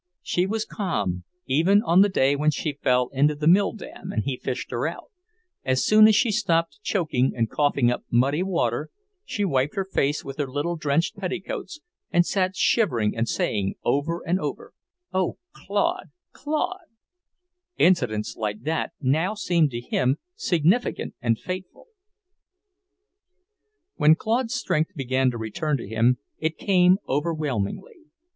She was calm, even on the day when she fell into the mill dam and he fished her out; as soon as she stopped choking and coughing up muddy water, she wiped her face with her little drenched petticoats, and sat shivering and saying over and over, "Oh, Claude, Claude!" Incidents like that one now seemed to him significant and fateful. When Claude's strength began to return to him, it came overwhelmingly.